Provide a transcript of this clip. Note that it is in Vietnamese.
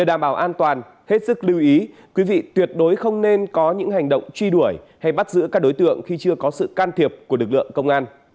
để đảm bảo an toàn hết sức lưu ý quý vị tuyệt đối không nên có những hành động truy đuổi hay bắt giữ các đối tượng khi chưa có sự can thiệp của lực lượng công an